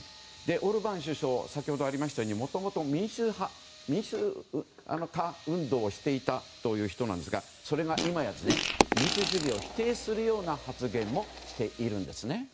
オルバーン首相先ほどありましたようにもともと民主化運動をしていた人なんですがそれが、今や民主主義を否定するような発言もしています。